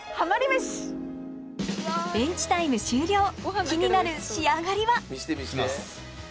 ベンチタイム終了気になる仕上がりは？